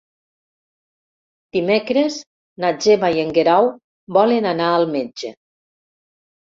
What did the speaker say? Dimecres na Gemma i en Guerau volen anar al metge.